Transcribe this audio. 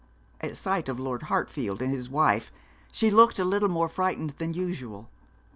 At sight of Lord Hartfield and his wife she looked a little more frightened than usual.